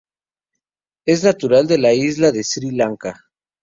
Es natural de la isla de Sri Lanka.